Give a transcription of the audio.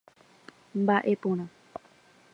Mba'e porã.